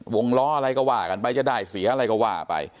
ล้ออะไรก็ว่ากันไปจะได้เสียอะไรก็ว่าไป